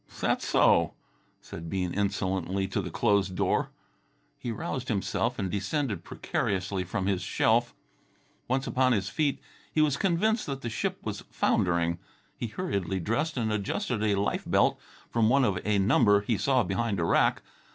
'" "'S'at so?" said Bean insolently to the closed door. He roused himself and descended precariously from his shelf. Once upon his feet he was convinced that the ship was foundering. He hurriedly dressed and adjusted a life belt from one of a number he saw behind a rack.